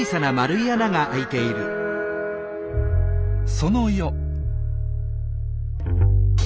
その夜。